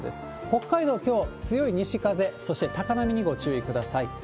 北海道、きょう強い西風、そして高波にご注意ください。